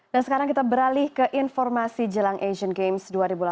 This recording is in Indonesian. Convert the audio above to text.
nah sekarang kita beralih ke informasi jelang asian games dua ribu delapan belas